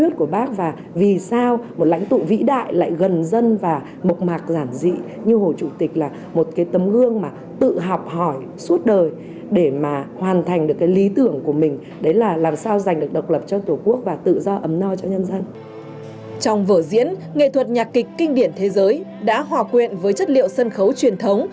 trong vở diễn nghệ thuật nhạc kịch kinh điển thế giới đã hòa quyện với chất liệu sân khấu truyền thống